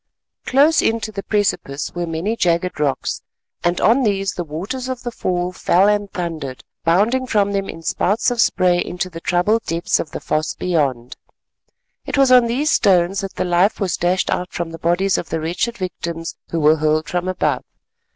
Close in to the precipice were many jagged rocks, and on these the waters of the fall fell and thundered, bounding from them in spouts of spray into the troubled depths of the foss beyond. It was on these stones that the life was dashed out from the bodies of the wretched victims who were hurled from above.